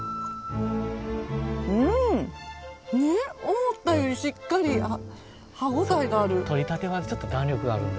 思ったよりしっかり歯応えがある。